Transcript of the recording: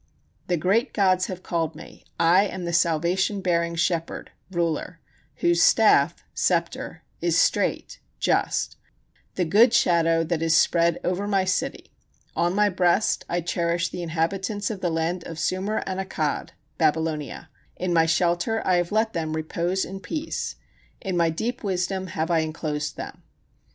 The great gods have called me, I am the salvation bearing shepherd [ruler], whose staff [sceptre] is straight [just], the good shadow that is spread over my city; on my breast I cherish the inhabitants of the land of Sumer and Akkad [Babylonia]; in my shelter I have let them repose in peace; in my deep wisdom have I inclosed them.